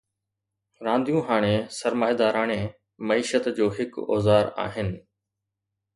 رانديون هاڻي سرمائيداراڻي معيشت جو هڪ اوزار آهن.